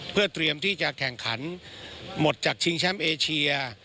เพื่อเตรียมที่จะแข่งขันหมดจากชิงแชมป์เอเชีย